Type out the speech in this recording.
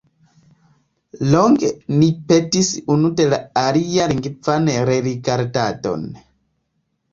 Longe ni petis unu de la alia lingvan rerigardadon.